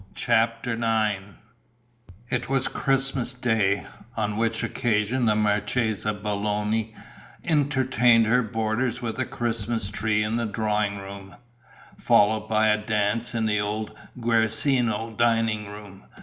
CHAPTER IX It was Christmas Day, on which occasion the Marchesa Belloni entertained her boarders with a Christmas tree in the drawing room, followed by a dance in the old Guercino dining room.